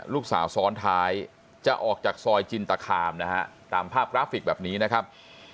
ลูกสาวซ้อนท้ายจะออกจากซอยจินตคามนะฮะตามภาพกราฟิกแบบนี้นะครับ